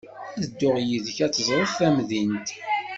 Ad dduɣ yid-k ad teẓreḍ tamdint.